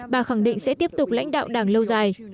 bà khẳng định sẽ tiếp tục lãnh đạo đảng lâu dài